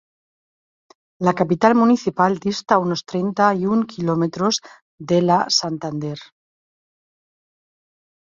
La capital municipal dista unos treinta y un kilómetros de la Santander.